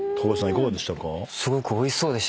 いかがでしたか？